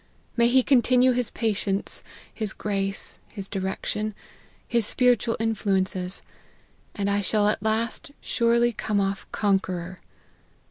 May he continue his patience, his grace, his direction, his spiritual influences, and I shall at last surely come off* conqueror